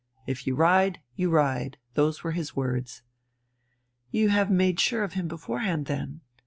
If you ride, you ride. Those were his words...." "You have made sure of him beforehand, then?